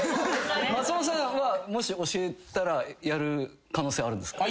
松本さんはもし教えたらやる可能性あるんですか？